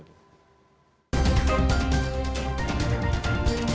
kita kembali sekejap lagi